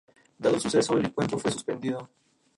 Dado al suceso, el encuentro fue suspendido.